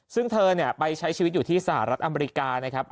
ซึ่งเธอไปใช้ชีวิตอยู่ที่สหรัฐอเมริกานะครับ